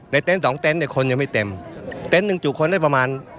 เต็นต์สองเต็นต์เนี่ยคนยังไม่เต็มเต็นต์หนึ่งจุคนได้ประมาณ